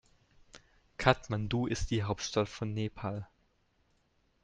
Kathmandu ist die Hauptstadt von Nepal.